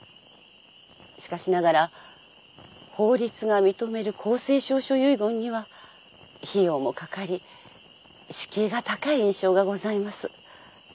しかしながら法律が認める公正証書遺言には費用も掛かり敷居が高い印象がございます。